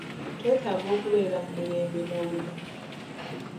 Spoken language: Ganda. Twetaaga okubeera mu mirembe n'obumu..